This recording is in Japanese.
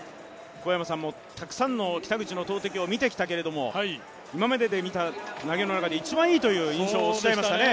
小山さんもたくさんの北口の投てきを見てきたけれども今までで見た投げの中で一番いいとおっしゃっていましたね。